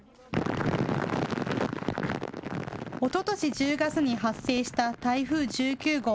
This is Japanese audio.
おととし１０月に発生した台風１９号。